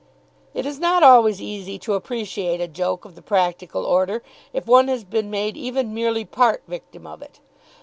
It is not always easy to appreciate a joke of the practical order if one has been made even merely part victim of it.